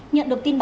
nhận được tin báo